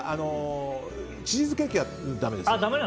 チーズケーキはだめですよ。